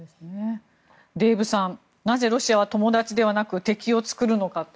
デーブさん、なぜロシアは友達ではなく敵を作るのかと。